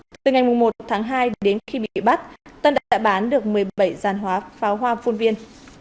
từ ngày một tháng hai đến khi bị bắt tân đã bán được một mươi bảy dàn pháo hoa phun viên